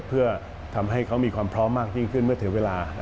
เพื่อทำให้เขามีความพร้อมมากยิ่งขึ้นเมื่อถึงเวลา